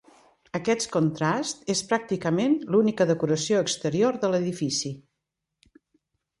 Aquest contrast és pràcticament l'única decoració exterior de l'edifici.